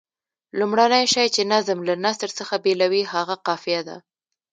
لومړنی شی چې نظم له نثر څخه بېلوي هغه قافیه ده.